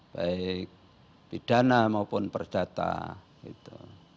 baik pidana maupun perdata gitu